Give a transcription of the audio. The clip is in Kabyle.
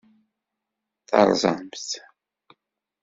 Terẓam-t.